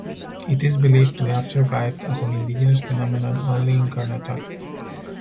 It is believed to have survived as an indigenous phenomenon only in Karnataka.